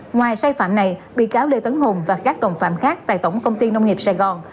ngoài sai phạm này bị cáo lê tấn hùng và các đồng phạm khác tại tổng công ty nông nghiệp sài gòn